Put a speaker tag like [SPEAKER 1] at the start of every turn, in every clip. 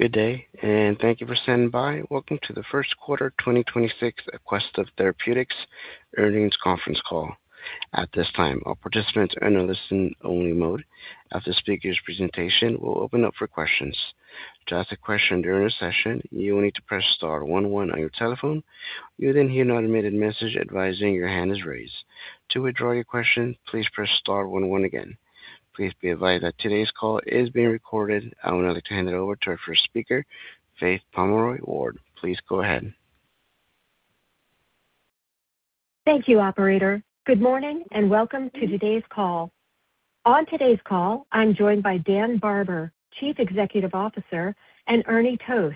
[SPEAKER 1] Good day, and thank you for standing by. Welcome to the first quarter 2026 Aquestive Therapeutics earnings conference call. At this time, all participants are in a listen-only mode. After the speakers' presentation, we'll open up for questions. Please be advised that today's call is being recorded. I would like to hand it over to our first speaker, Faith Pomeroy-Ward. Please go ahead.
[SPEAKER 2] Thank you, operator. Good morning, and welcome to today's call. On today's call, I'm joined by Dan Barber, Chief Executive Officer, and Ernie Toth,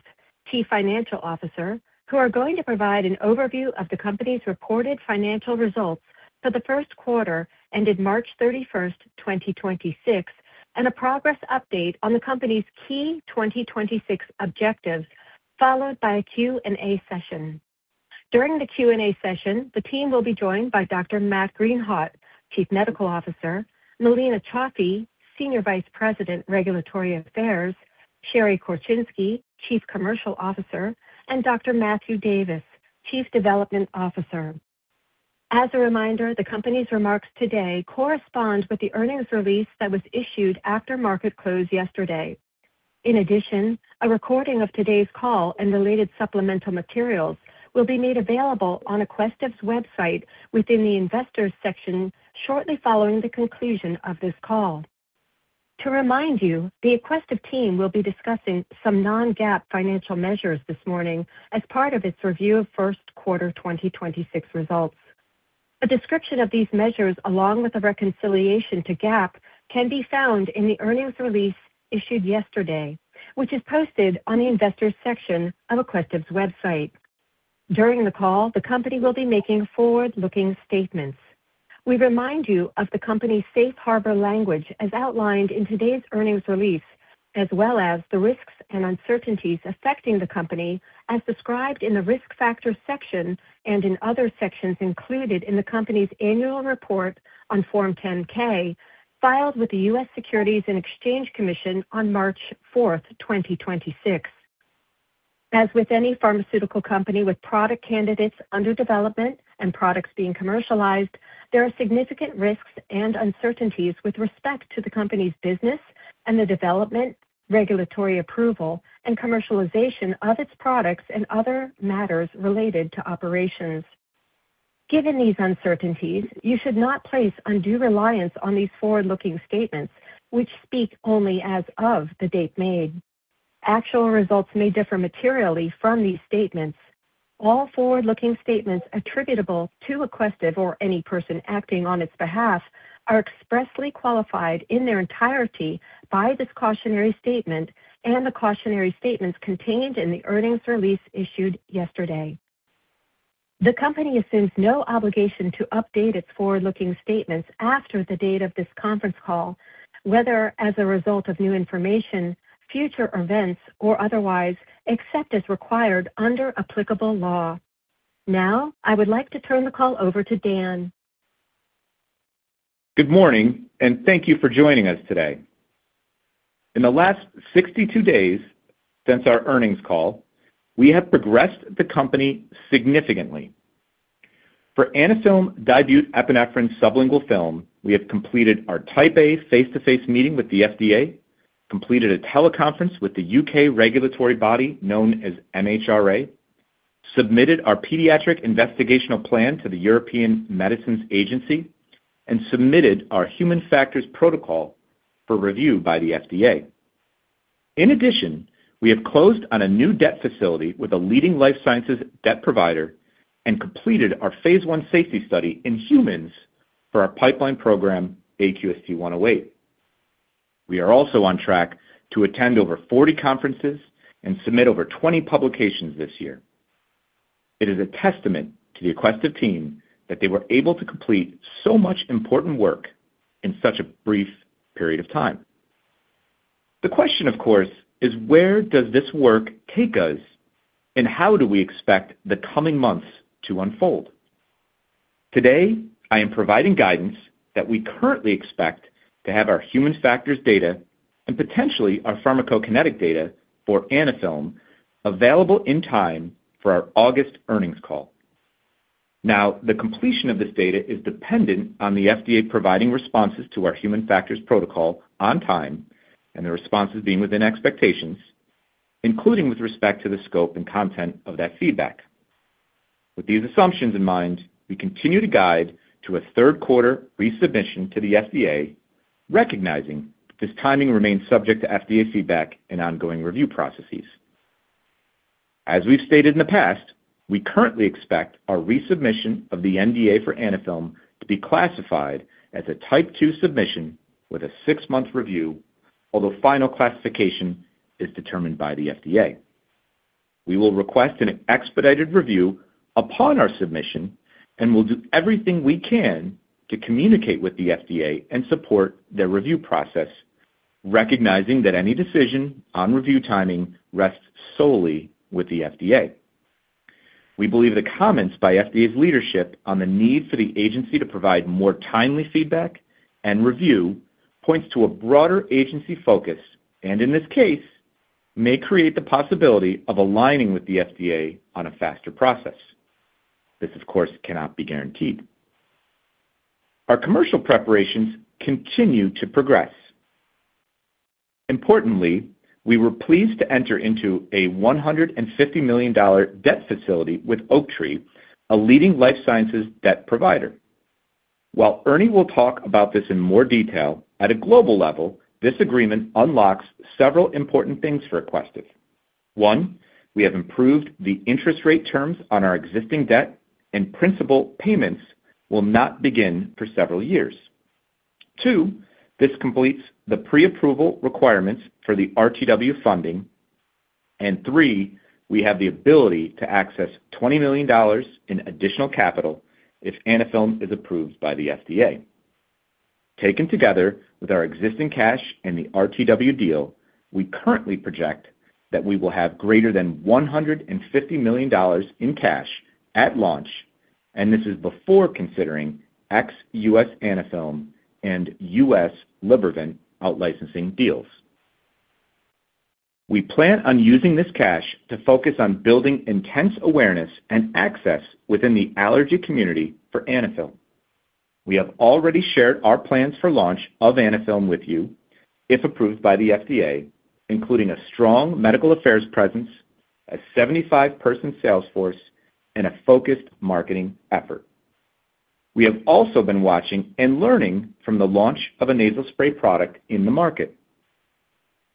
[SPEAKER 2] Chief Financial Officer, who are going to provide an overview of the company's reported financial results for the first quarter ended March 31st, 2026, and a progress update on the company's key 2026 objectives, followed by a Q&A session. During the Q&A session, the team will be joined by Dr. Matt Greenhawt, Chief Medical Officer, Melina Cioffi, Senior Vice President, Regulatory Affairs, Sherry Korczynski, Chief Commercial Officer, and Dr. Matthew Davis, Chief Development Officer. As a reminder, the company's remarks today correspond with the earnings release that was issued after market close yesterday. In addition, a recording of today's call and related supplemental materials will be made available on Aquestive's website within the investors section shortly following the conclusion of this call. To remind you, the Aquestive team will be discussing some non-GAAP financial measures this morning as part of its review of first quarter 2026 results. A description of these measures, along with a reconciliation to GAAP, can be found in the earnings release issued yesterday, which is posted on the investors section of Aquestive's website. During the call, the company will be making forward-looking statements. We remind you of the company's safe harbor language as outlined in today's earnings release, as well as the risks and uncertainties affecting the company as described in the Risk Factors section and in other sections included in the company's annual report on Form 10-K, filed with the U.S. Securities and Exchange Commission on March 4, 2026. As with any pharmaceutical company with product candidates under development and products being commercialized, there are significant risks and uncertainties with respect to the company's business and the development, regulatory approval, and commercialization of its products and other matters related to operations. Given these uncertainties, you should not place undue reliance on these forward-looking statements, which speak only as of the date made. Actual results may differ materially from these statements. All forward-looking statements attributable to Aquestive or any person acting on its behalf are expressly qualified in their entirety by this cautionary statement and the cautionary statements contained in the earnings release issued yesterday. The company assumes no obligation to update its forward-looking statements after the date of this conference call, whether as a result of new information, future events, or otherwise, except as required under applicable law. Now, I would like to turn the call over to Dan.
[SPEAKER 3] Good morning, and thank you for joining us today. In the last 62 days since our earnings call, we have progressed the company significantly. For Anaphylm dibutepinephrine sublingual film, we have completed our Type A face-to-face meeting with the FDA, completed a teleconference with the U.K. regulatory body known as MHRA, submitted our pediatric investigational plan to the European Medicines Agency, and submitted our human factors protocol for review by the FDA. In addition, we have closed on a new debt facility with a leading life sciences debt provider and completed our phase I safety study in humans for our pipeline program, AQST-108. We are also on track to attend over 40 conferences and submit over 20 publications this year. It is a testament to the Aquestive team that they were able to complete so much important work in such a brief period of time. The question, of course, is where does this work take us, and how do we expect the coming months to unfold? Today, I am providing guidance that we currently expect to have our human factors data and potentially our pharmacokinetic data for Anaphylm available in time for our August earnings call. The completion of this data is dependent on the FDA providing responses to our human factors protocol on time and the responses being within expectations, including with respect to the scope and content of that feedback. With these assumptions in mind, we continue to guide to a third quarter resubmission to the FDA, recognizing this timing remains subject to FDA feedback and ongoing review processes. As we've stated in the past, we currently expect our resubmission of the NDA for Anaphylm to be classified as a Type 2 submission with a six-month review. Although final classification is determined by the FDA. We will request an expedited review upon our submission, and we'll do everything we can to communicate with the FDA and support their review process, recognizing that any decision on review timing rests solely with the FDA. We believe the comments by FDA's leadership on the need for the agency to provide more timely feedback and review points to a broader agency focus, and in this case, may create the possibility of aligning with the FDA on a faster process. This, of course, cannot be guaranteed. Our commercial preparations continue to progress. Importantly, we were pleased to enter into a $150 million debt facility with Oaktree, a leading life sciences debt provider. While Ernie will talk about this in more detail, at a global level, this agreement unlocks several important things for Aquestive. One, we have improved the interest rate terms on our existing debt, and principal payments will not begin for several years. Two, this completes the pre-approval requirements for the RTW funding. Three, we have the ability to access $20 million in additional capital if Anaphylm is approved by the FDA. Taken together with our existing cash and the RTW deal, we currently project that we will have greater than $150 million in cash at launch, and this is before considering ex-U.S. Anaphylm and U.S. Libervant out-licensing deals. We plan on using this cash to focus on building intense awareness and access within the allergy community for Anaphylm. We have already shared our plans for launch of Anaphylm with you, if approved by the FDA, including a strong medical affairs presence, a 75-person sales force, and a focused marketing effort. We have also been watching and learning from the launch of a nasal spray product in the market.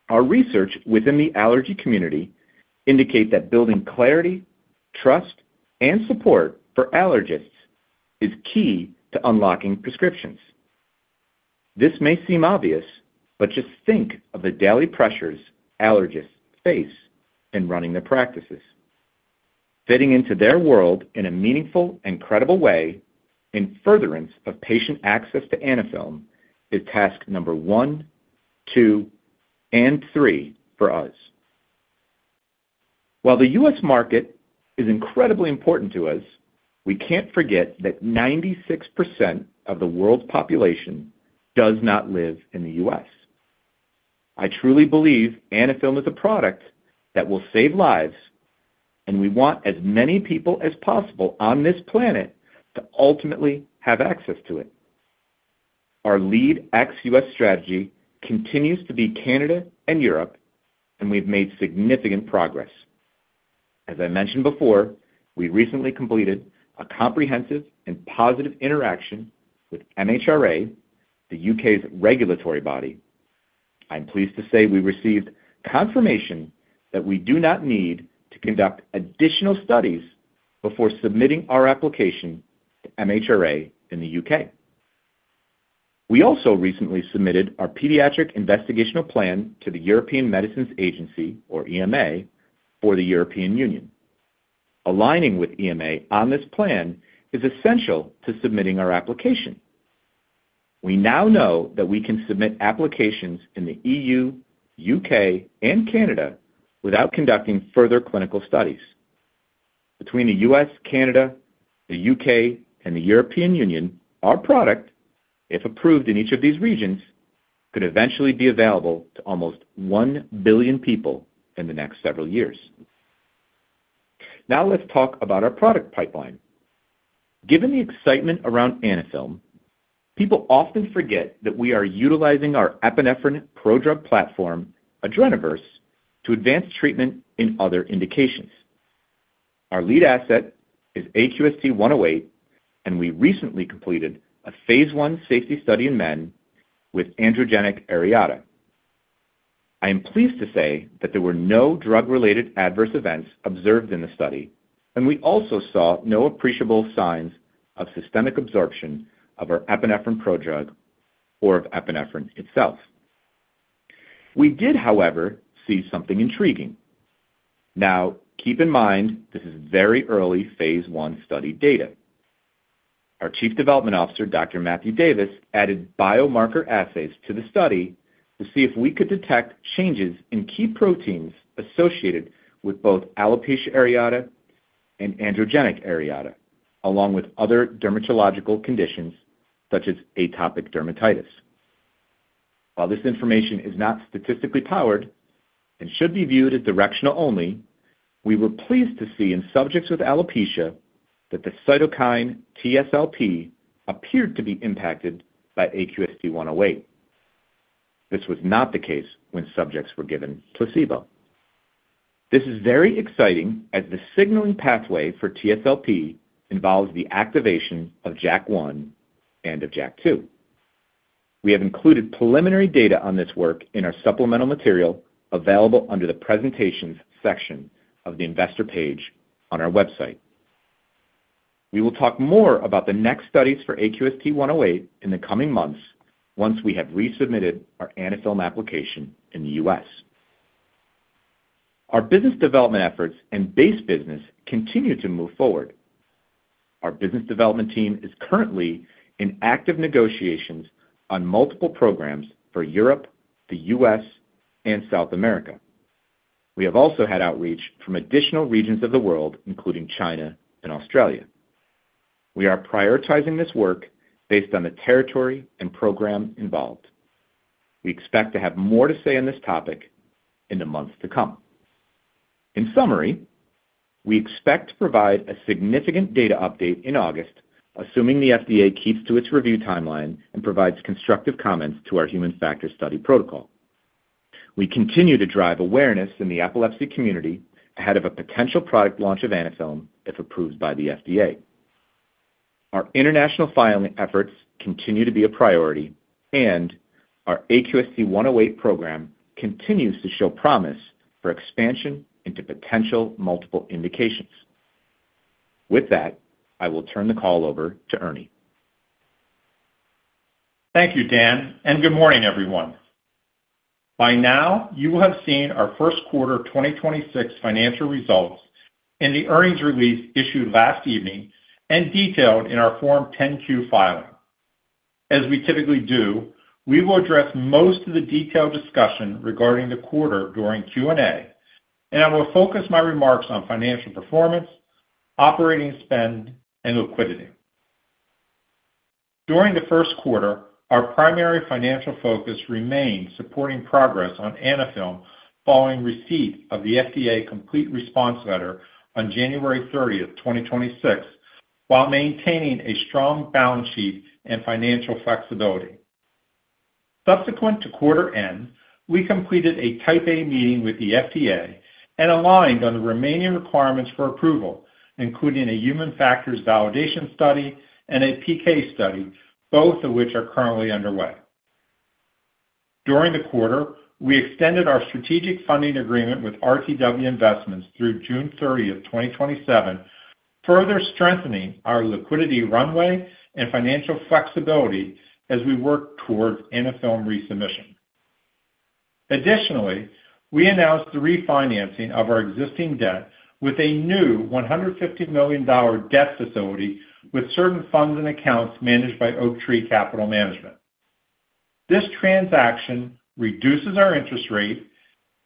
[SPEAKER 3] Our research within the allergy community indicate that building clarity, trust, and support for allergists is key to unlocking prescriptions. This may seem obvious, but just think of the daily pressures allergists face in running their practices. Fitting into their world in a meaningful and credible way in furtherance of patient access to Anaphylm is task number one, two, and three for us. While the U.S. market is incredibly important to us, we can't forget that 96% of the world's population does not live in the U.S. I truly believe Anaphylm is a product that will save lives, and we want as many people as possible on this planet to ultimately have access to it. Our lead ex-U.S. strategy continues to be Canada and Europe, and we've made significant progress. As I mentioned before, we recently completed a comprehensive and positive interaction with MHRA, the U.K.'s regulatory body. I'm pleased to say we received confirmation that we do not need to conduct additional studies before submitting our application to MHRA in the U.K. We also recently submitted our pediatric investigational plan to the European Medicines Agency, or EMA, for the European Union. Aligning with EMA on this plan is essential to submitting our application. We now know that we can submit applications in the EU, U.K., and Canada without conducting further clinical studies. Between the U.S., Canada, the U.K., and the European Union, our product, if approved in each of these regions, could eventually be available to almost 1 billion people in the next several years. Let's talk about our product pipeline. Given the excitement around Anaphylm, people often forget that we are utilizing our epinephrine prodrug platform, AdrenaVerse, to advance treatment in other indications. Our lead asset is AQST-108. We recently completed a phase I safety study in men with androgenic areata. I am pleased to say that there were no drug-related adverse events observed in the study, and we also saw no appreciable signs of systemic absorption of our epinephrine prodrug or of epinephrine itself. We did, however, see something intriguing. Keep in mind this is very early phase I study data. Our Chief Development Officer, Dr. Matthew Davis, added biomarker assays to the study to see if we could detect changes in key proteins associated with both alopecia areata and androgenic areata, along with other dermatological conditions such as atopic dermatitis. While this information is not statistically powered and should be viewed as directional only, we were pleased to see in subjects with alopecia that the cytokine TSLP appeared to be impacted by AQST-108. This was not the case when subjects were given placebo. This is very exciting as the signaling pathway for TSLP involves the activation of JAK1 and of JAK2. We have included preliminary data on this work in our supplemental material available under the presentations section of the investor page on our website. We will talk more about the next studies for AQST-108 in the coming months once we have resubmitted our Anaphylm application in the U.S. Our business development efforts and base business continue to move forward. Our business development team is currently in active negotiations on multiple programs for Europe, the U.S., and South America. We have also had outreach from additional regions of the world, including China and Australia. We are prioritizing this work based on the territory and program involved. We expect to have more to say on this topic in the months to come. In summary, we expect to provide a significant data update in August, assuming the FDA keeps to its review timeline and provides constructive comments to our human factors study protocol. We continue to drive awareness in the epilepsy community ahead of a potential product launch of Anaphylm, if approved by the FDA. Our international filing efforts continue to be a priority and our AQST-108 program continues to show promise for expansion into potential multiple indications. With that, I will turn the call over to Ernie.
[SPEAKER 4] Thank you, Dan, and good morning, everyone. By now, you will have seen our first quarter 2026 financial results in the earnings release issued last evening and detailed in our Form 10-Q filing. As we typically do, we will address most of the detailed discussion regarding the quarter during Q&A, and I will focus my remarks on financial performance, operating spend, and liquidity. During the first quarter, our primary financial focus remained supporting progress on Anaphylm following receipt of the FDA complete response letter on January 30th, 2026, while maintaining a strong balance sheet and financial flexibility. Subsequent to quarter end, we completed a Type A meeting with the FDA and aligned on the remaining requirements for approval, including a human factors validation study and a PK study, both of which are currently underway. During the quarter, we extended our strategic funding agreement with RTW Investments through June 30, 2027, further strengthening our liquidity runway and financial flexibility as we work towards Anaphylm resubmission. We announced the refinancing of our existing debt with a new $150 million debt facility with certain funds and accounts managed by Oaktree Capital Management. This transaction reduces our interest rate,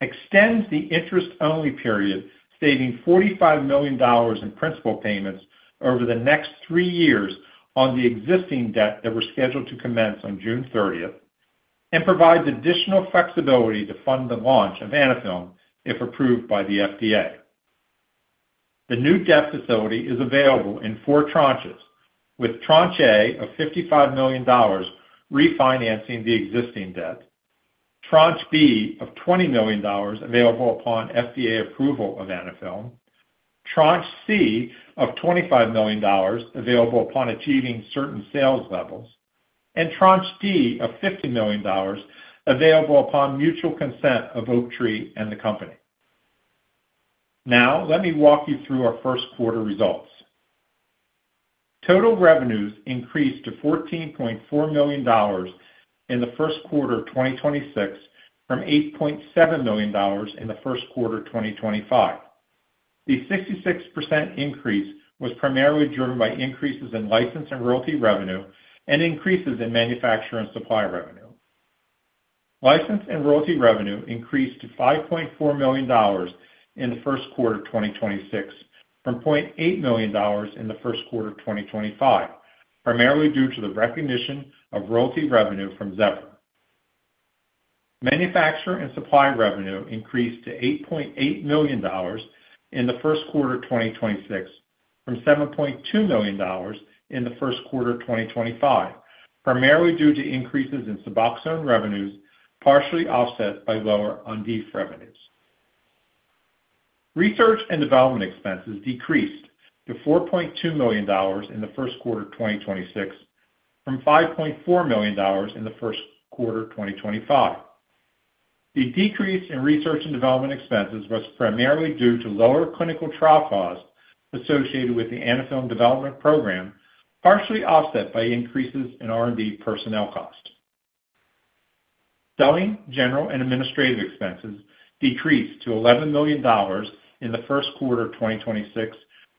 [SPEAKER 4] extends the interest-only period, saving $45 million in principal payments over the next three years on the existing debt that were scheduled to commence on June 30th, and provides additional flexibility to fund the launch of Anaphylm if approved by the FDA. The new debt facility is available in four tranches, with Tranche A of $55 million refinancing the existing debt, Tranche B of $20 million available upon FDA approval of Anaphylm, Tranche C of $25 million available upon achieving certain sales levels, and Tranche D of $50 million available upon mutual consent of Oaktree and the company. Let me walk you through our first quarter results. Total revenues increased to $14.4 million in the first quarter of 2026 from $8.7 million in the first quarter of 2025. The 66% increase was primarily driven by increases in license and royalty revenue and increases in manufacturer and supply revenue. License and royalty revenue increased to $5.4 million in the first quarter of 2026 from $0.8 million in the first quarter of 2025, primarily due to the recognition of royalty revenue from Zevra. Manufacturer and supply revenue increased to $8.8 million in the first quarter of 2026 from $7.2 million in the first quarter of 2025, primarily due to increases in Suboxone revenues, partially offset by lower Ondif revenues. Research and development expenses decreased to $4.2 million in the first quarter of 2026 from $5.4 million in the first quarter of 2025. The decrease in research and development expenses was primarily due to lower clinical trial costs associated with the Anaphylm development program, partially offset by increases in R&D personnel costs. Selling, general, and administrative expenses decreased to $11 million in the first quarter of 2026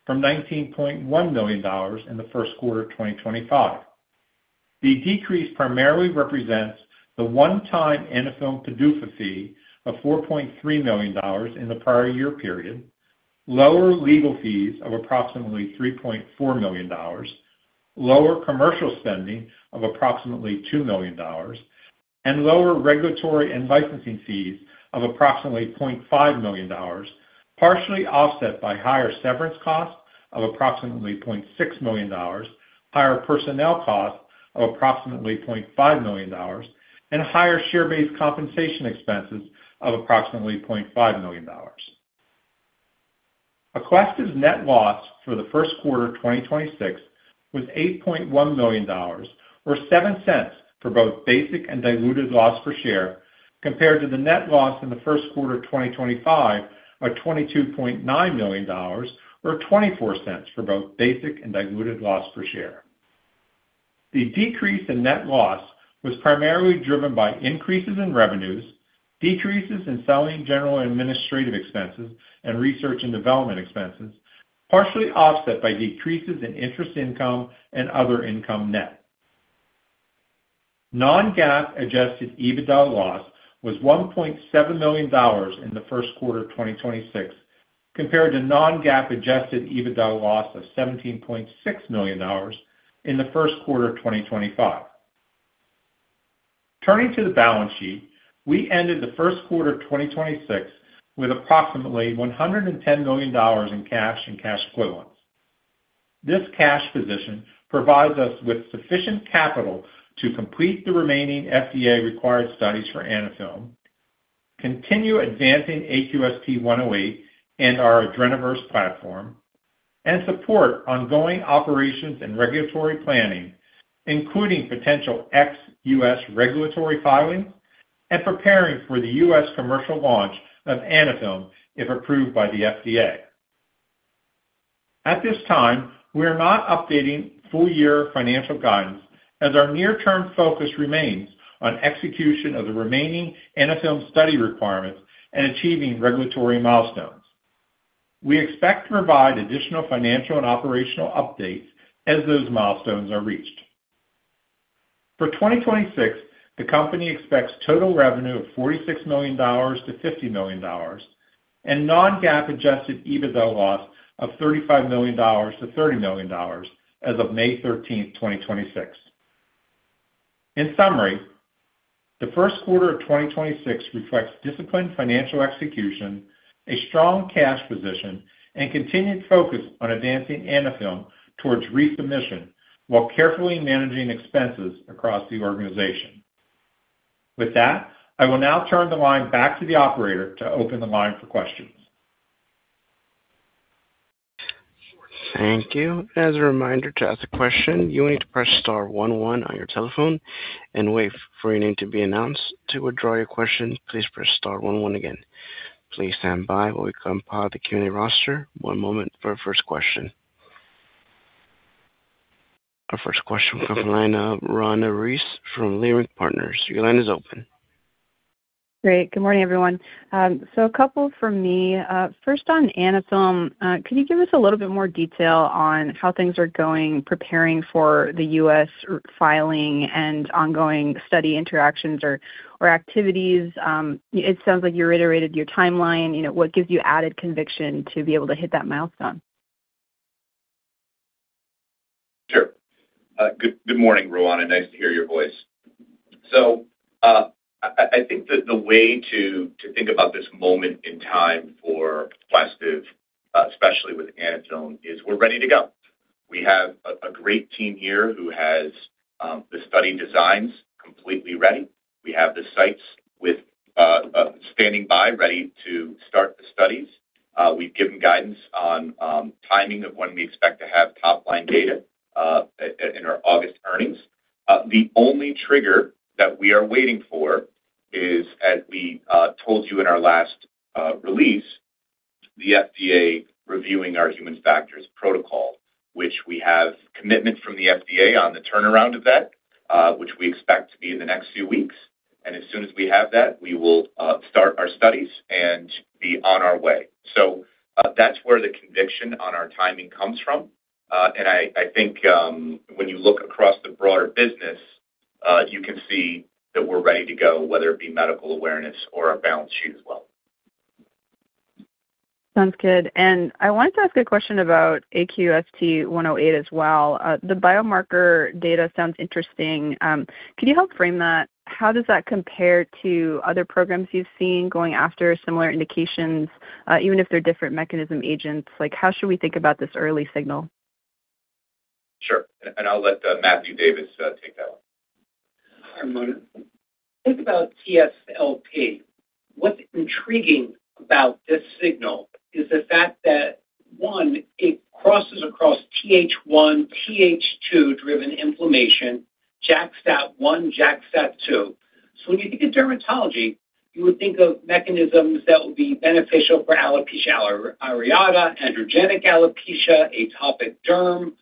[SPEAKER 4] from $19.1 million in the first quarter of 2025. The decrease primarily represents the one-time Anaphylm PDUFA fee of $4.3 million in the prior year period, lower legal fees of approximately $3.4 million, lower commercial spending of approximately $2 million, and lower regulatory and licensing fees of approximately $0.5 million, partially offset by higher severance costs of approximately $0.6 million, higher personnel costs of approximately $0.5 million, and higher share-based compensation expenses of approximately $0.5 million. Aquestive's net loss for the first quarter of 2026 was $8.1 million, or $0.07 for both basic and diluted loss per share, compared to the net loss in the first quarter of 2025 of $22.9 million, or $0.24 for both basic and diluted loss per share. The decrease in net loss was primarily driven by increases in revenues, decreases in selling general administrative expenses and research and development expenses, partially offset by decreases in interest income and other income net. Non-GAAP adjusted EBITDA loss was $1.7 million in the first quarter of 2026, compared to Non-GAAP adjusted EBITDA loss of $17.6 million in the first quarter of 2025. Turning to the balance sheet, we ended the first quarter of 2026 with approximately $110 million in cash and cash equivalents. This cash position provides us with sufficient capital to complete the remaining FDA-required studies for Anaphylm, continue advancing AQST-108 and our AdrenaVerse platform, and support ongoing operations and regulatory planning, including potential ex-U.S. regulatory filings and preparing for the U.S. commercial launch of Anaphylm if approved by the FDA. At this time, we are not updating full-year financial guidance as our near-term focus remains on execution of the remaining Anaphylm study requirements and achieving regulatory milestones. We expect to provide additional financial and operational updates as those milestones are reached. For 2026, the company expects total revenue of $46 million-$50 million and non-GAAP adjusted EBITDA loss of $35 million-$30 million as of May 13, 2026. In summary, the first quarter of 2026 reflects disciplined financial execution, a strong cash position, and continued focus on advancing Anaphylm towards resubmission while carefully managing expenses across the organization. With that, I will now turn the line back to the operator to open the line for questions.
[SPEAKER 1] Thank you. As a reminder, to ask a question, you will need to press star one one on your telephone and wait for your name to be announced. To withdraw your question, please press star one one again. Please stand by while we compile the community roster. One moment for our first question. Our first question will come from the line of Roanna Ruiz from Leerink Partners. Your line is open.
[SPEAKER 5] Great. Good morning, everyone. A couple from me. First on Anaphylm, could you give us a little bit more detail on how things are going preparing for the U.S. filing and ongoing study interactions or activities? It sounds like you reiterated your timeline. You know, what gives you added conviction to be able to hit that milestone?
[SPEAKER 3] Sure. Good morning, Roanna. Nice to hear your voice. I think that the way to think about this moment in time for Aquestive, especially with Anaphylm, is we're ready to go. We have a great team here who has the study designs completely ready. We have the sites with standing by ready to start the studies. We've given guidance on timing of when we expect to have top-line data in our August earnings. The only trigger that we are waiting for is, as we told you in our last release, the FDA reviewing our human factors protocol, which we have commitment from the FDA on the turnaround of that, which we expect to be in the next few weeks. As soon as we have that, we will start our studies and be on our way. That's where the conviction on our timing comes from. I think when you look across the broader business, you can see that we're ready to go, whether it be medical awareness or our balance sheet as well.
[SPEAKER 5] Sounds good. I wanted to ask a question about AQST-108 as well. The biomarker data sounds interesting. Can you help frame that? How does that compare to other programs you've seen going after similar indications, even if they're different mechanism agents? Like, how should we think about this early signal?
[SPEAKER 3] Sure. I'll let Matthew Davis take that one.
[SPEAKER 6] Hi, Roanna. Think about TSLP. What's intriguing about this signal is the fact that, one, it crosses across TH1, TH2-driven inflammation, JAK-STAT1, JAK-STAT2. When you think of dermatology, you would think of mechanisms that would be beneficial for alopecia areata, androgenic alopecia, atopic derm.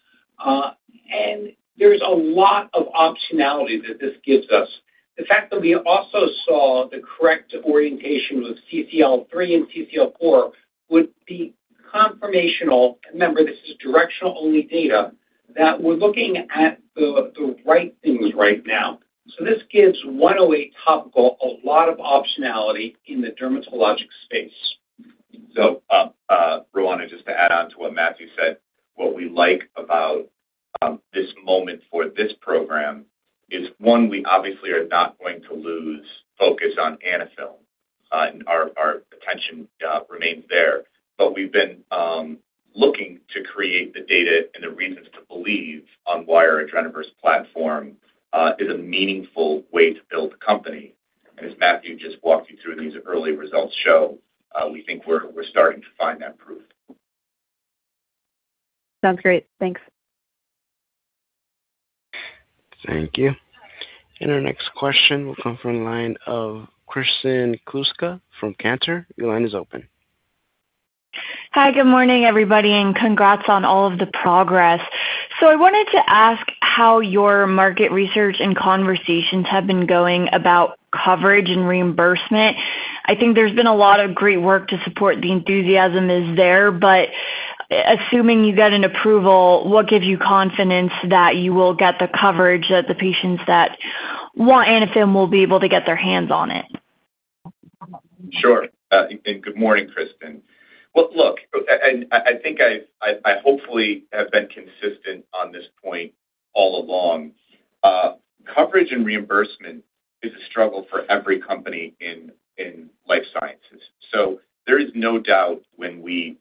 [SPEAKER 6] There's a lot of optionality that this gives us. The fact that we also saw the correct orientation with CCL3 and CCL4 would be confirmational. Remember, this is directional-only data that we're looking at the right things right now. This gives AQST-108 topical a lot of optionality in the dermatologic space.
[SPEAKER 3] Roanna, just to add on to what Matthew said, what we like about this moment for this program is, one, we obviously are not going to lose focus on Anaphylm. Our attention remains there. We've been looking to create the data and the reasons to believe on why our AdrenaVerse platform is a meaningful way to build the company. As Matthew just walked you through, these early results show, we think we're starting to find that proof.
[SPEAKER 5] Sounds great. Thanks.
[SPEAKER 1] Thank you. Our next question will come from the line of Kristen Kluska from Cantor. Your line is open.
[SPEAKER 7] Hi, good morning, everybody, and congrats on all of the progress. I wanted to ask how your market research and conversations have been going about coverage and reimbursement. I think there's been a lot of great work to support the enthusiasm is there. Assuming you get an approval, what gives you confidence that you will get the coverage that the patients that want Anaphylm will be able to get their hands on it?
[SPEAKER 3] Good morning, Kristen. Look, I hopefully have been consistent on this point all along. Coverage and reimbursement is a struggle for every company in life sciences. There is no doubt when we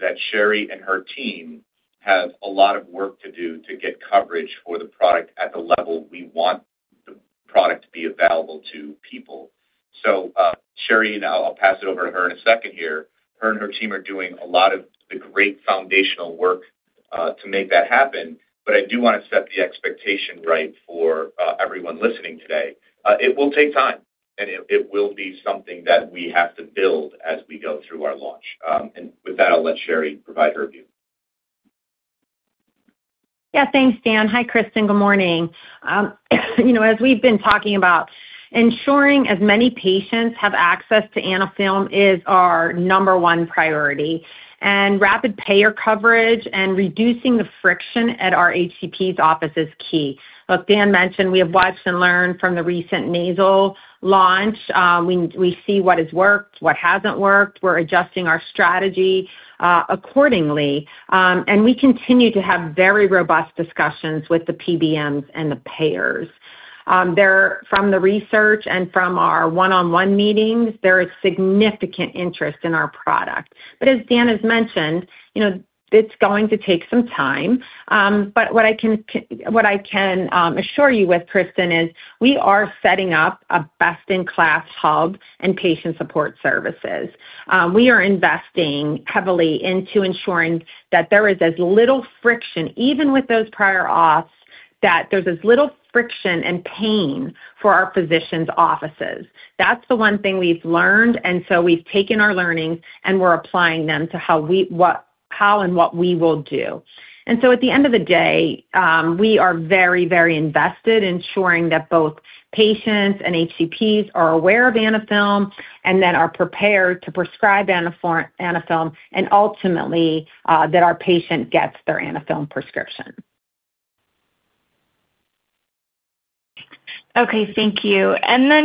[SPEAKER 3] launch that Sherry and her team have a lot of work to do to get coverage for the product at the level we want the product to be available to people. Sherry, I'll pass it over to her in a second here, her and her team are doing a lot of the great foundational work to make that happen. I do want to set the expectation right for everyone listening today. It will take time, and it will be something that we have to build as we go through our launch. With that, I'll let Sherry provide her view.
[SPEAKER 8] Yeah, thanks, Dan. Hi, Kristen. Good morning. you know, as we've been talking about, ensuring as many patients have access to Anaphylm is our number one priority. Rapid payer coverage and reducing the friction at our HCPs office is key. As Dan mentioned, we have watched and learned from the recent nasal launch. we see what has worked, what hasn't worked. We're adjusting our strategy accordingly. we continue to have very robust discussions with the PBMs and the payers. From the research and from our one-on-one meetings, there is significant interest in our product. as Dan has mentioned, you know, it's going to take some time. what I can assure you with, Kristen, is we are setting up a best-in-class hub and patient support services. We are investing heavily into ensuring that there is as little friction, even with those prior authorizations, that there's as little friction and pain for our physicians' offices. That's the one thing we've learned, we've taken our learnings, and we're applying them to how we how and what we will do. At the end of the day, we are very, very invested ensuring that both patients and HCPs are aware of Anaphylm and then are prepared to prescribe Anaphylm and ultimately, that our patient gets their Anaphylm prescription.
[SPEAKER 7] Okay. Thank you.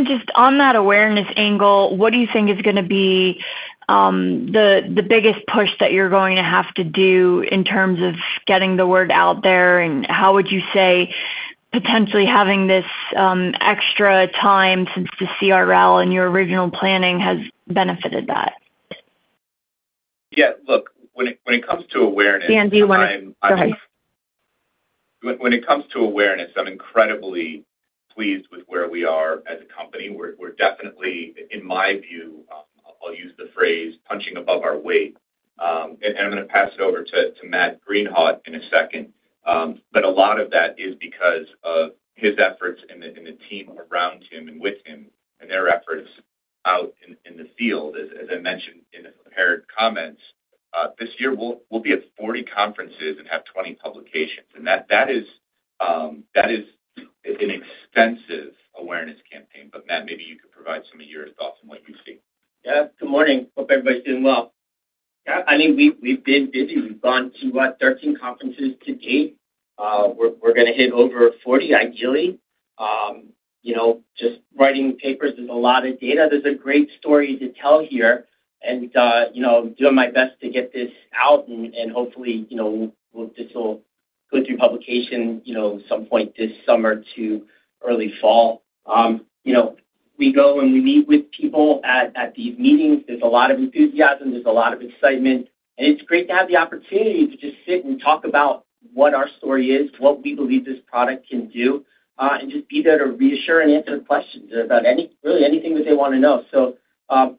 [SPEAKER 7] Just on that awareness angle, what do you think is gonna be the biggest push that you're going to have to do in terms of getting the word out there, and how would you say potentially having this extra time since the CRL in your original planning has benefited that?
[SPEAKER 3] Yeah. Look, when it comes to awareness-
[SPEAKER 8] Dan, do you wanna? Go ahead.
[SPEAKER 3] When it comes to awareness, I'm incredibly pleased with where we are as a company. We're definitely, in my view, I'll use the phrase punching above our weight. I'm gonna pass it over to Matt Greenhawt in a second. A lot of that is because of his efforts and the team around him and with him and their efforts out in the field. As I mentioned in the prepared comments, this year we'll be at 40 conferences and have 20 publications. That is an expensive awareness campaign. Matt, maybe you could provide some of your thoughts on what you've seen.
[SPEAKER 9] Yeah. Good morning. Hope everybody's doing well. Yeah, I mean, we've been busy. We've gone to what? 13 conferences to date. We're gonna hit over 40 ideally. You know, just writing papers. There's a lot of data. There's a great story to tell here and, you know, doing my best to get this out and hopefully, you know, this will go through publication, you know, some point this summer to early fall. You know, we go and we meet with people at these meetings. There's a lot of enthusiasm. There's a lot of excitement. It's great to have the opportunity to just sit and talk about what our story is, what we believe this product can do, and just be there to reassure and answer the questions about really anything that they wanna know.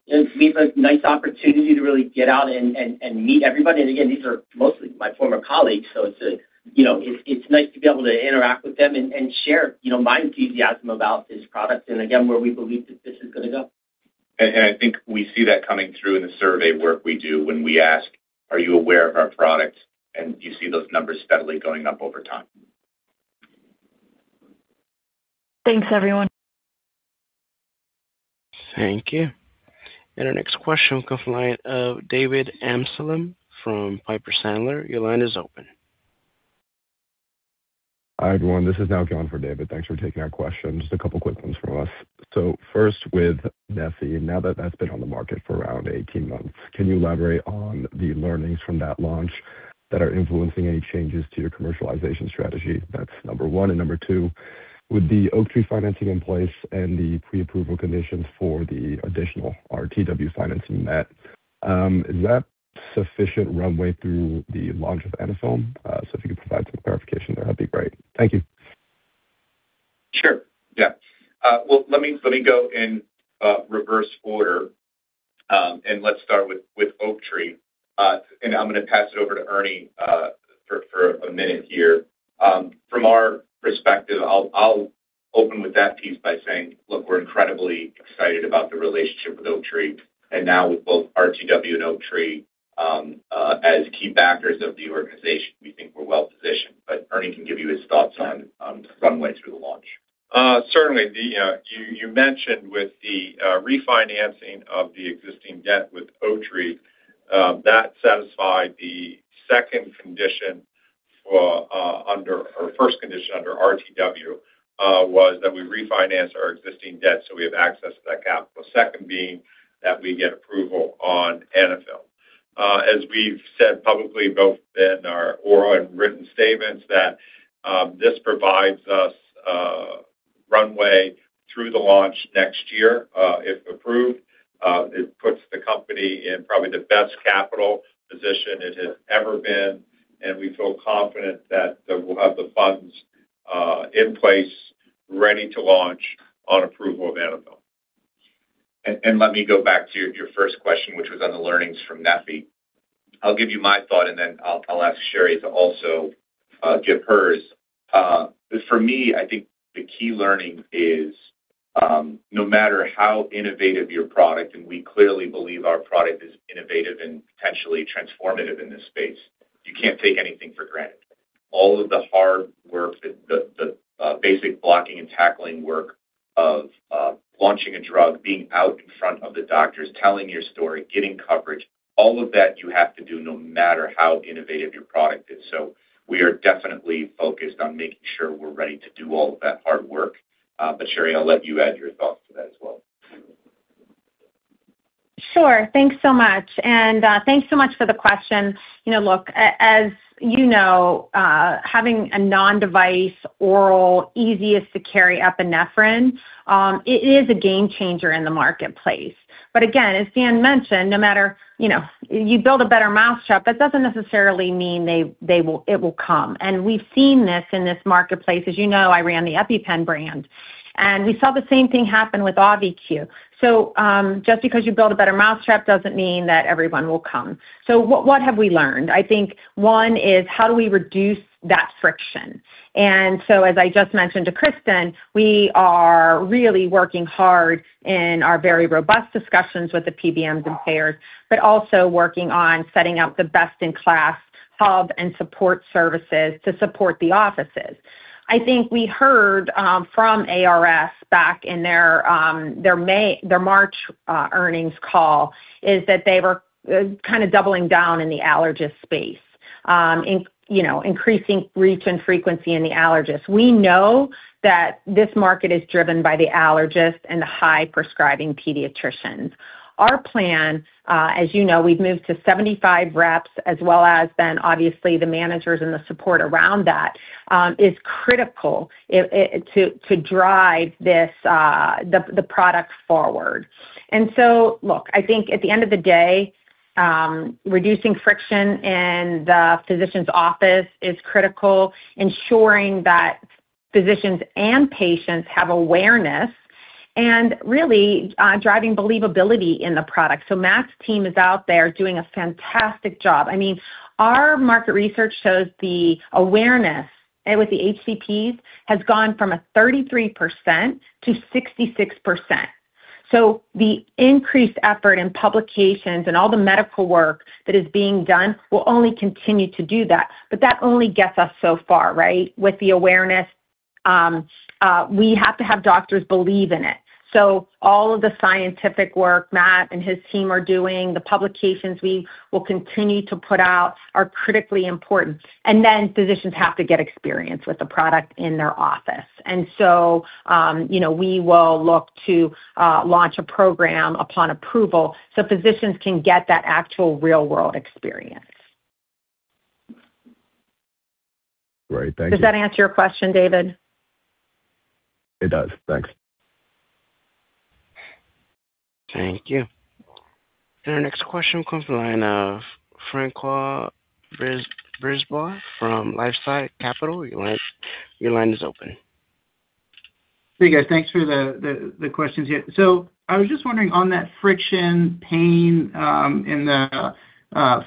[SPEAKER 9] It's been a nice opportunity to really get out and meet everybody. These are mostly my former colleagues, so it's, you know, it's nice to be able to interact with them and share, you know, my enthusiasm about this product and again, where we believe that this is gonna go.
[SPEAKER 3] I think we see that coming through in the survey work we do when we ask, "Are you aware of our products?" You see those numbers steadily going up over time.
[SPEAKER 7] Thanks, everyone.
[SPEAKER 1] Thank you. Our next question will come from the line of David Amsellem from Piper Sandler. Your line is open.
[SPEAKER 10] Hi, everyone. This is [now gone] for David. Thanks for taking our questions. Just a couple quick ones from us. First with neffy, now that that's been on the market for around 18 months, can you elaborate on the learnings from that launch that are influencing any changes to your commercialization strategy? That's number one. Number two, with the Oaktree financing in place and the pre-approval conditions for the additional RTW financing met, is that sufficient runway through the launch of Anaphylm? If you could provide some clarification there, that'd be great. Thank you.
[SPEAKER 3] Sure. Yeah. Well, let me go in reverse order, let's start with Oaktree. I'm gonna pass it over to Ernie for a minute here. From our perspective, I'll open with that piece by saying, look, we're incredibly excited about the relationship with Oaktree. Now with both RTW and Oaktree, as key backers of the organization, we think we're well-positioned. Ernie can give you his thoughts on the runway through the launch.
[SPEAKER 4] Certainly. You mentioned with the refinancing of the existing debt with Oaktree, that satisfied the second condition for under or first condition under RTW, was that we refinance our existing debt, so we have access to that capital. Second being that we get approval on Anaphylm. As we've said publicly, both in our oral and written statements, that this provides us runway through the launch next year. If approved, it puts the company in probably the best capital position it has ever been, and we feel confident that we'll have the funds in place ready to launch on approval of Anaphylm.
[SPEAKER 3] Let me go back to your first question, which was on the learnings from neffy. I'll give you my thought, and then I'll ask Sherry to also give hers. For me, I think the key learning is no matter how innovative your product, and we clearly believe our product is innovative and potentially transformative in this space, you can't take anything for granted. All of the hard work that the basic blocking and tackling work of launching a drug, being out in front of the doctors, telling your story, getting coverage, all of that you have to do no matter how innovative your product is. We are definitely focused on making sure we're ready to do all of that hard work. Sherry, I'll let you add your thoughts to that as well.
[SPEAKER 8] Sure. Thanks so much. Thanks so much for the question. You know, look, as you know, having a non-device oral easiest to carry epinephrine, it is a game changer in the marketplace. Again, as Dan mentioned, no matter, you know, you build a better mousetrap, that doesn't necessarily mean it will come. We've seen this in this marketplace. As you know, I ran the EpiPen brand, and we saw the same thing happen with Auvi-Q. Just because you build a better mousetrap doesn't mean that everyone will come. What have we learned? I think one is how do we reduce that friction? As I just mentioned to Kristen, we are really working hard in our very robust discussions with the PBMs and payers, but also working on setting up the best-in-class hub and support services to support the offices. I think we heard from ARS back in their March earnings call, is that they were kind of doubling down in the allergist space, increasing reach and frequency in the allergists. We know that this market is driven by the allergists and the high prescribing pediatricians. Our plan, as you know, we've moved to 75 reps, as well as then obviously the managers and the support around that, is critical to drive this product forward. Look, I think at the end of the day, reducing friction in the physician's office is critical. Ensuring that physicians and patients have awareness and really driving believability in the product. Matt's team is out there doing a fantastic job. I mean, our market research shows the awareness with the HCPs has gone from a 33%-66%. The increased effort in publications and all the medical work that is being done will only continue to do that. That only gets us so far, right? With the awareness. We have to have doctors believe in it. All of the scientific work Matt and his team are doing, the publications we will continue to put out are critically important. Physicians have to get experience with the product in their office. You know, we will look to launch a program upon approval so physicians can get that actual real-world experience.
[SPEAKER 10] Great. Thank you.
[SPEAKER 8] Does that answer your question, David?
[SPEAKER 10] It does. Thanks.
[SPEAKER 1] Thank you. Our next question comes from the line of Francois Brisebois from LifeSci Capital. Your line is open.
[SPEAKER 11] Hey, guys. Thanks for the questions here. I was just wondering on that friction pain in the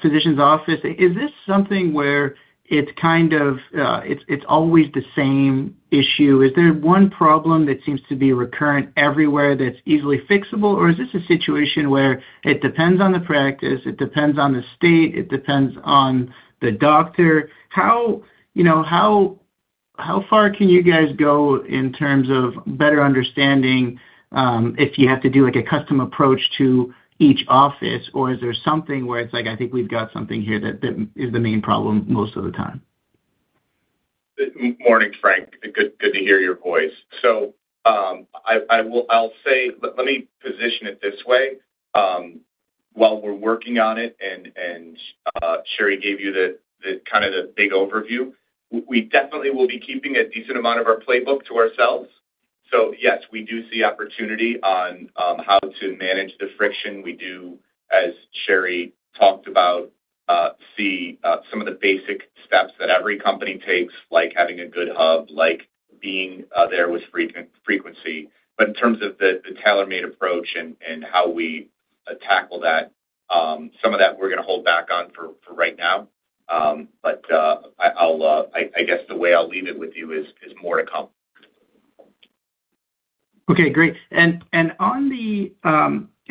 [SPEAKER 11] physician's office, is this something where it's kind of, it's always the same issue? Is there one problem that seems to be recurrent everywhere that's easily fixable, or is this a situation where it depends on the practice, it depends on the state, it depends on the doctor? How far can you guys go in terms of better understanding, if you have to do like a custom approach to each office or is there something where it's like, I think we've got something here that is the main problem most of the time?
[SPEAKER 3] Morning, Frank. Good to hear your voice. I'll say, let me position it this way, while we're working on it and Sherry gave you the kind of the big overview. We definitely will be keeping a decent amount of our playbook to ourselves. Yes, we do see opportunity on how to manage the friction. We do, as Sherry talked about, see some of the basic steps that every company takes, like having a good hub, like being there with frequency. In terms of the tailor-made approach and how we tackle that, some of that we're gonna hold back on for right now. I guess the way I'll leave it with you is more to come.
[SPEAKER 11] Okay, great. On the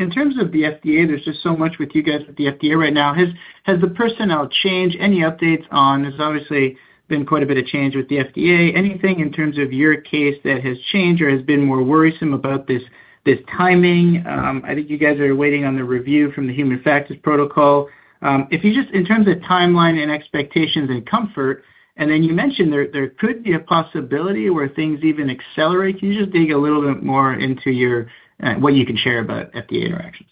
[SPEAKER 11] in terms of the FDA, there's just so much with you guys with the FDA right now. Has the personnel changed? Any updates? There's obviously been quite a bit of change with the FDA. Anything in terms of your case that has changed or has been more worrisome about this timing? I think you guys are waiting on the review from the Human Factors Protocol. In terms of timeline and expectations and comfort, then you mentioned there could be a possibility where things even accelerate. Can you just dig a little bit more into your what you can share about FDA interactions?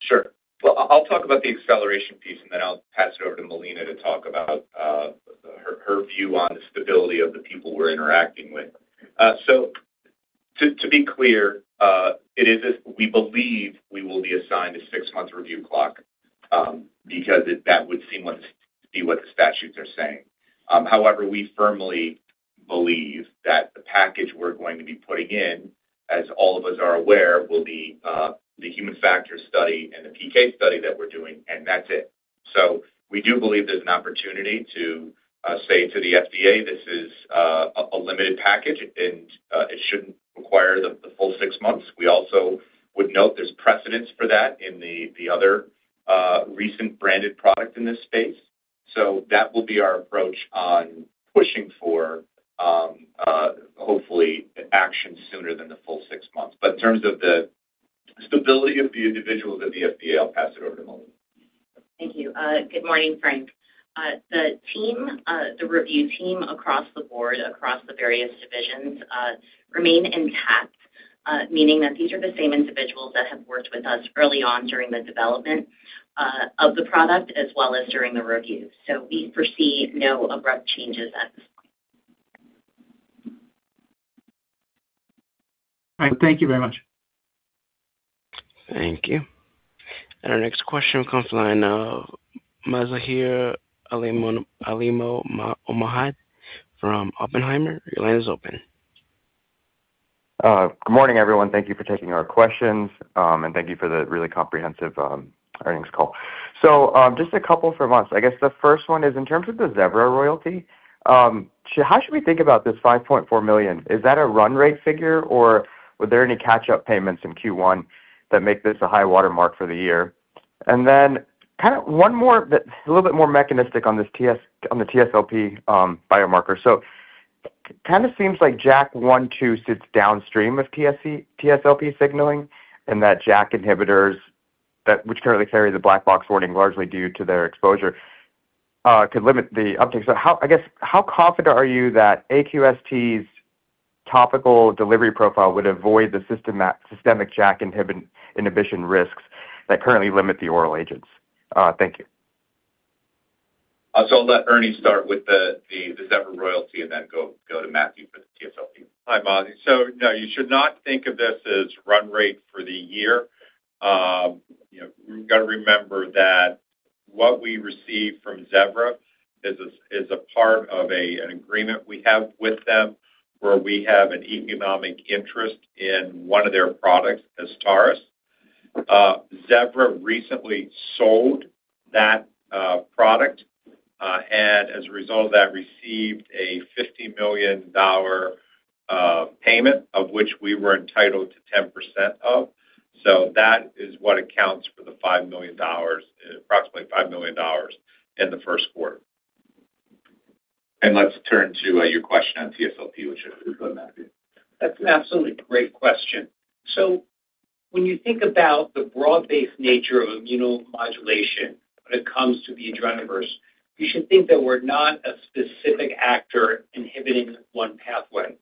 [SPEAKER 3] Sure. Well, I'll talk about the acceleration piece, and then I'll pass it over to Melina to talk about her view on the stability of the people we're interacting with. To be clear, it is as we believe we will be assigned a six-month review clock, because that would seem what the statutes are saying. We firmly believe that the package we're going to be putting in, as all of us are aware, will be the human factors study and the PK study that we're doing, and that's it. We do believe there's an opportunity to say to the FDA, this is a limited package, and it shouldn't require the full six months. We also would note there's precedence for that in the other recent branded product in this space. That will be our approach on pushing for, hopefully action sooner than the full six months. In terms of the stability of the individuals at the FDA, I'll pass it over to Melina.
[SPEAKER 12] Thank you. Good morning, Frank. The team, the review team across the board, across the various divisions, remain intact, meaning that these are the same individuals that have worked with us early on during the development of the product as well as during the review. We foresee no abrupt changes at this point.
[SPEAKER 11] All right. Thank you very much.
[SPEAKER 1] Thank you. Our next question comes from the line of Mazahir Alimohamed from Oppenheimer. Your line is open.
[SPEAKER 13] Good morning, everyone. Thank you for taking our questions, and thank you for the really comprehensive earnings call. Just a couple for once. I guess the first one is in terms of the Zevra royalty, how should we think about this $5.4 million? Is that a run rate figure, or were there any catch-up payments in Q1 that make this a high water mark for the year? Then kind of one more that's a little bit more mechanistic on this TSLP biomarker. Kinda seems like JAK1/2 sits downstream of TSLP signaling and that JAK inhibitors which currently carry the black box warning largely due to their exposure, could limit the uptake. I guess, how confident are you that AQST's topical delivery profile would avoid the systemic JAK inhibition risks that currently limit the oral agents? Thank you.
[SPEAKER 3] I'll let Ernie start with the Zevra royalty and then go to Matthew for the TSLP.
[SPEAKER 4] Hi, Mazi. No, you should not think of this as run rate for the year. You know, you gotta remember that what we receive from Zevra is a part of an agreement we have with them where we have an economic interest in one of their products, Azstarys. Zevra recently sold that product and as a result of that, received a $50 million payment, of which we were entitled to 10% of. That is what accounts for the $5 million, approximately $5 million in the first quarter.
[SPEAKER 3] Let's turn to, your question on TSLP, which I'll give to Matthew.
[SPEAKER 6] That's an absolutely great question. When you think about the broad-based nature of immunomodulation when it comes to the AdrenaVerse, you should think that we're not a specific actor inhibiting one pathway.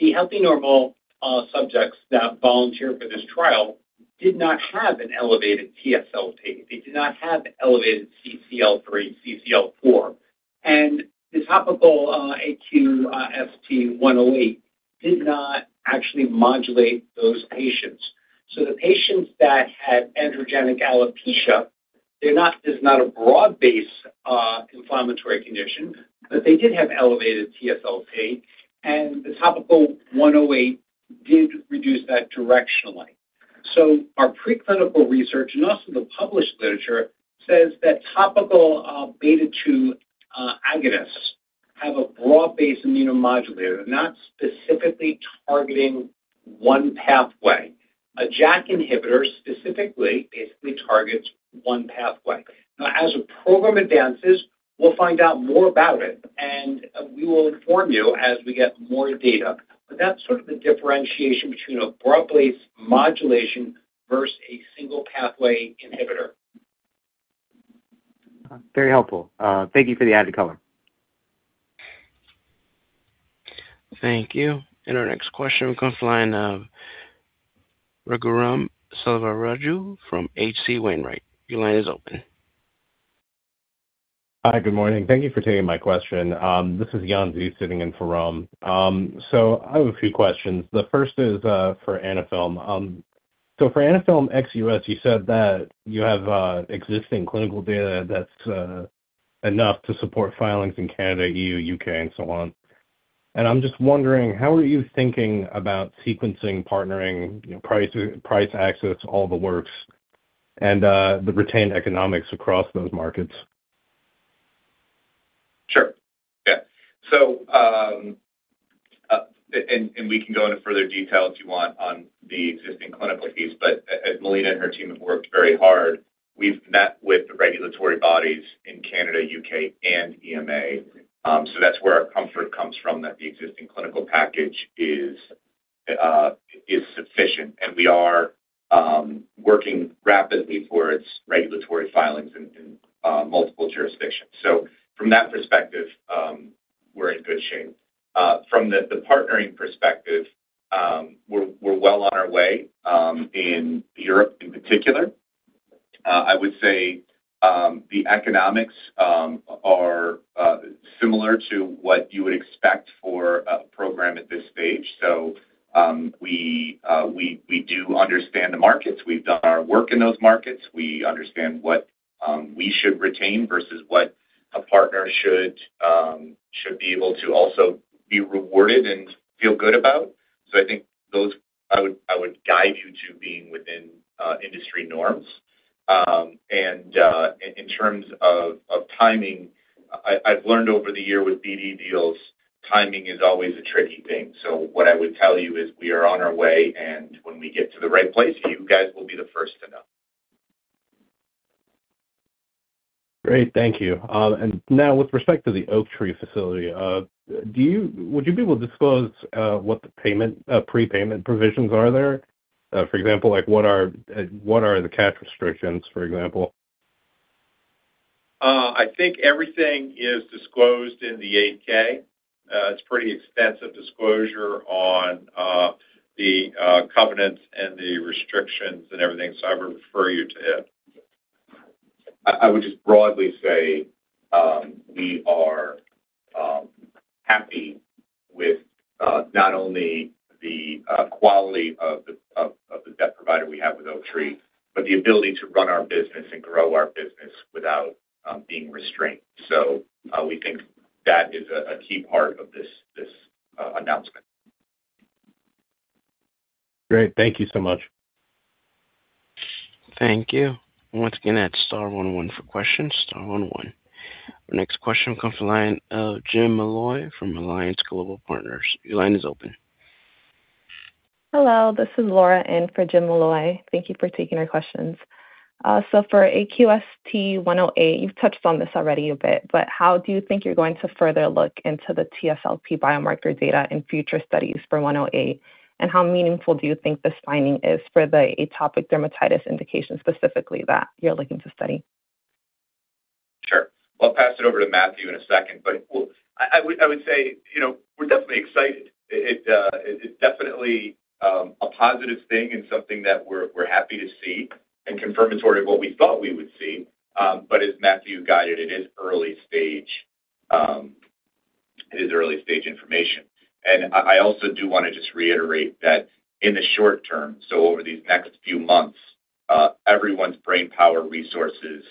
[SPEAKER 6] The healthy normal subjects that volunteered for this trial did not have an elevated TSLP. They did not have elevated CCL3, CCL4. The topical AQST-108 did not actually modulate those patients. The patients that had androgenic alopecia, there's not a broad-based inflammatory condition, but they did have elevated TSLP, and the topical 108 did reduce that directionally. Our preclinical research and also the published literature says that topical beta-2 agonists have a broad-based immunomodulator. They're not specifically targeting one pathway. A JAK inhibitor specifically basically targets one pathway. As the program advances, we'll find out more about it, and we will inform you as we get more data. That's sort of the differentiation between a broad-based modulation versus a single pathway inhibitor.
[SPEAKER 13] Very helpful. Thank you for the added color.
[SPEAKER 1] Thank you. Our next question comes from the line of Raghuram Selvaraju from H.C. Wainwright. Your line is open.
[SPEAKER 14] Hi. Good morning. Thank you for taking my question. This is Jan Zi sitting in for Ram. I have a few questions. The first is for Anaphylm. For Anaphylm ex-U.S., you said that you have existing clinical data that's enough to support filings in Canada, EU, UK and so on. I'm just wondering, how are you thinking about sequencing, partnering, you know, price access, all the works, and the retained economics across those markets?
[SPEAKER 3] Sure. Yeah. And we can go into further detail if you want on the existing clinical piece, but as Melina and her team have worked very hard, we've met with the regulatory bodies in Canada, U.K., and EMA. That's where our comfort comes from, that the existing clinical package is sufficient, and we are working rapidly towards regulatory filings in multiple jurisdictions. From that perspective, we're in good shape. From the partnering perspective, we're well on our way in Europe in particular. I would say the economics are similar to what you would expect for a program at this stage. We do understand the markets. We've done our work in those markets. We understand what we should retain versus what a partner should be able to also be rewarded and feel good about. I think those I would guide you to being within industry norms. In terms of timing, I've learned over the year with BD deals, timing is always a tricky thing. What I would tell you is we are on our way, and when we get to the right place, you guys will be the first to know.
[SPEAKER 14] Great. Thank you. Now with respect to the Oaktree facility, would you be able to disclose what the payment prepayment provisions are there? For example, like what are the cash restrictions, for example?
[SPEAKER 3] I think everything is disclosed in the 8-K. It's pretty extensive disclosure on the covenants and the restrictions and everything, so I would refer you to it. I would just broadly say, we are happy with not only the quality of the debt provider we have with Oaktree, but the ability to run our business and grow our business without being restrained. We think that is a key part of this announcement.
[SPEAKER 14] Great. Thank you so much.
[SPEAKER 1] Thank you. Once again, that's star one one for questions, star one one. Our next question comes from line of James Molloy from Alliance Global Partners. Your line is open.
[SPEAKER 15] Hello, this is Laura in for James Molloy. Thank you for taking our questions. For AQST-108, you've touched on this already a bit, but how do you think you're going to further look into the TSLP biomarker data in future studies for 108? How meaningful do you think this finding is for the atopic dermatitis indication specifically that you're looking to study?
[SPEAKER 3] Sure. I'll pass it over to Matthew in a second, but I would say, you know, we're definitely excited. It is definitely a positive thing and something that we're happy to see and confirmatory of what we thought we would see. As Matthew guided, it is early stage, it is early stage information. I also do want to just reiterate that in the short term, so over these next few months, everyone's brainpower, resources,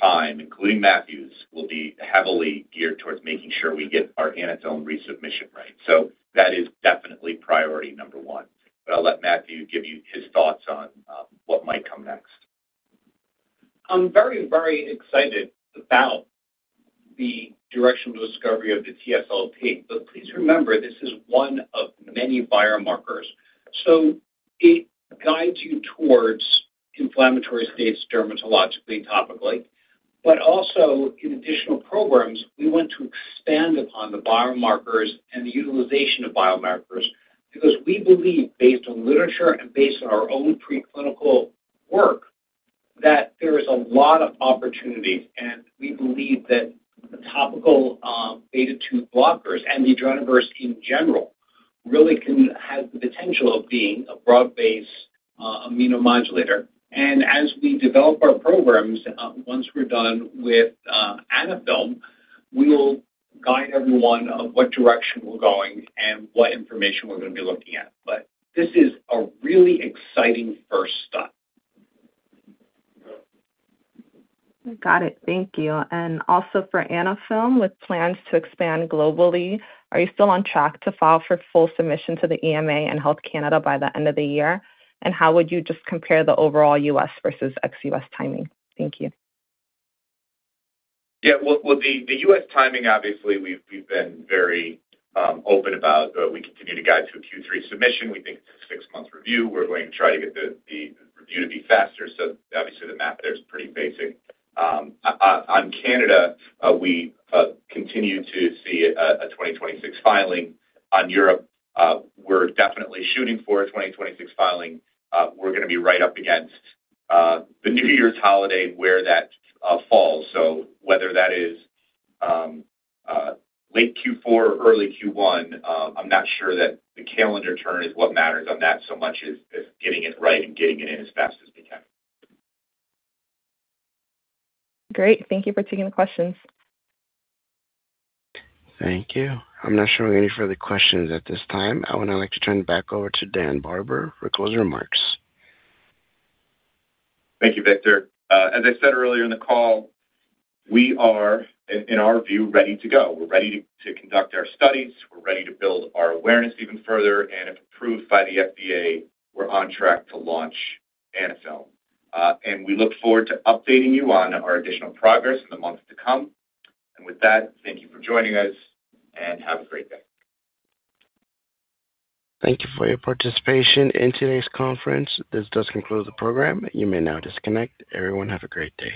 [SPEAKER 3] time, including Matthew's, will be heavily geared towards making sure we get our Anaphylm resubmission right. That is definitely priority number one. I'll let Matthew give you his thoughts on what might come next.
[SPEAKER 6] I'm very, very excited about the direction of discovery of the TSLP, please remember this is one of many biomarkers. It guides you towards inflammatory states dermatologically and topically, also in additional programs, we want to expand upon the biomarkers and the utilization of biomarkers because we believe based on literature and based on our own preclinical work, that there is a lot of opportunity, and we believe that the topical beta-2 blockers and the AdrenaVerse in general really can have the potential of being a broad-based immunomodulator. As we develop our programs, once we're done with Anaphylm, we will guide everyone of what direction we're going and what information we're gonna be looking at. This is a really exciting first step.
[SPEAKER 15] Got it. Thank you. Also for Anaphylm, with plans to expand globally, are you still on track to file for full submission to the EMA and Health Canada by the end of the year? How would you just compare the overall U.S. versus ex-U.S. timing? Thank you.
[SPEAKER 3] Well, the U.S. timing, obviously, we've been very open about, but we continue to guide to a Q3 submission. We think it's a six-month review. We're going to try to get the review to be faster. Obviously the math there is pretty basic. On Canada, we continue to see a 2026 filing. On Europe, we're definitely shooting for a 2026 filing. We're gonna be right up against the New Year's holiday where that falls. Whether that is late Q4 or early Q1, I'm not sure that the calendar turn is what matters on that so much as getting it right and getting it in as fast as we can.
[SPEAKER 15] Great. Thank you for taking the questions.
[SPEAKER 1] Thank you. I'm not showing any further questions at this time. I would now like to turn it back over to Dan Barber for closing remarks.
[SPEAKER 3] Thank you, Victor. As I said earlier in the call, we are, in our view, ready to go. We're ready to conduct our studies. We're ready to build our awareness even further. If approved by the FDA, we're on track to launch Anaphylm. We look forward to updating you on our additional progress in the months to come. With that, thank you for joining us, and have a great day.
[SPEAKER 1] Thank you for your participation in today's conference. This does conclude the program. You may now disconnect. Everyone, have a great day.